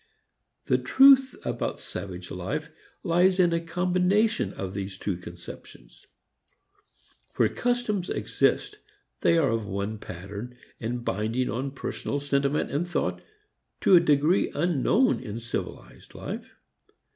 The truth about savage life lies in a combination of these two conceptions. Where customs exist they are of one pattern and binding on personal sentiment and thought to a degree unknown in civilized life.